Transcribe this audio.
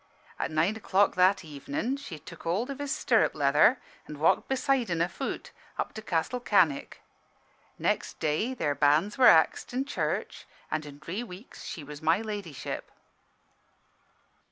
At nine o'clock that evenin' she tuk hold of his stirrup leather an' walked beside 'en, afoot, up to Castle Cannick. Next day, their banns were axed in church, an' in dree weeks she was My Ladyship.